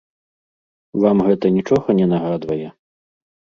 Вам гэта нічога не нагадвае?